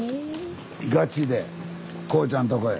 ガチで煌ちゃんとこへ。